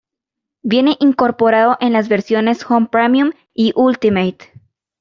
Viene incorporado en las versiones Home Premium y Ultimate.